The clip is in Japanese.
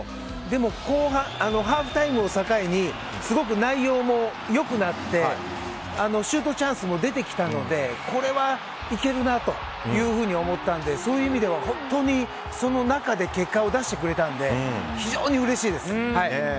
でもハーフタイムを境にすごく内容も良くなってシュートチャンスも出てきたのでこれはいけるなというふうに思ったのでそういう意味では本当にその中で結果を出してくれたので非常にうれしいです。